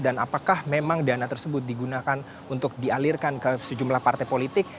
dan apakah memang dana tersebut digunakan untuk dialirkan ke sejumlah partai politik